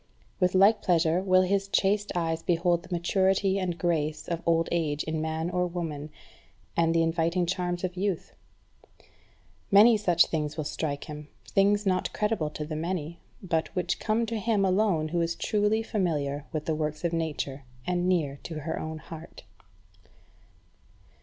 With like pleasure will his chaste eyes behold the maturity and grace of old age in man or woman, and the inviting charms of youth. Many such things will strike him, things not credible to the many, but which come to him alone who is truly familiar with the works of Nature and near to her own heart.